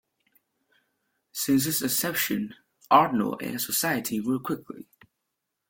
Since its inception, Arnold Air Society grew quickly.